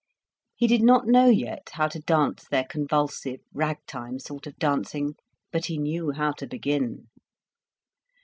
He did not know yet how to dance their convulsive, rag time sort of dancing, but he knew how to begin.